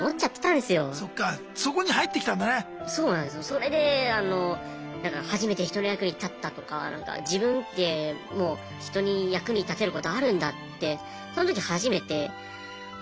それであの初めて人の役に立ったとか自分って人に役に立てることあるんだってその時初めて思って。